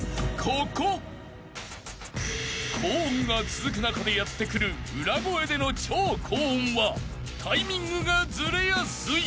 ［高音が続く中でやって来る裏声での超高音はタイミングがずれやすい］